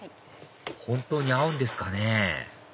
本当に合うんですかね？